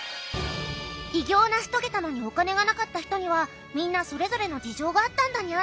偉業を成し遂げたのにお金がなかった人にはみんなそれぞれの事情があったんだにゃ。